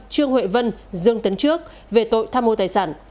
trương huệ vân dương tấn trước về tội tham mô tài sản